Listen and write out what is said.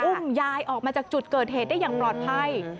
อุ้มยายออกมาจากจุดเกิดเหตุได้อย่างปลอดภัย